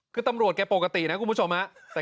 คือตำรวจแกปกตินะคุณผู้ชมฮะ